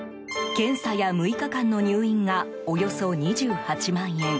検査や６日間の入院がおよそ２８万円。